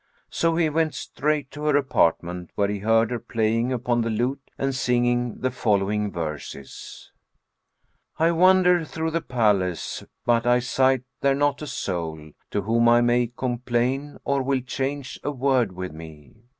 So he went straight to her apartment, where he heard her playing upon the lute and singing the following verses, "I wander through the palace, but I sight there not a soul * To whom I may complain or will 'change a word with me.